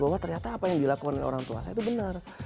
bahwa ternyata apa yang dilakukan oleh orang tua saya itu benar